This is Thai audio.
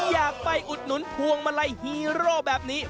อยากไปอุดหนุนพวงมาลัยฮีโร่แบบนี้